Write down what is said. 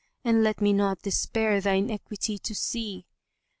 and let me not despair thine equity to see.